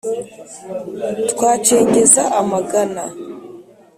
twacengeza amagana.